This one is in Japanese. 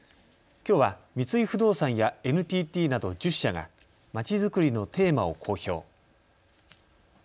きょうは三井不動産やＮＴＴなど１０社が街づくりのテーマを公表。